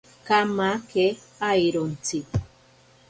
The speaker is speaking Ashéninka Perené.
Kamake airontsi.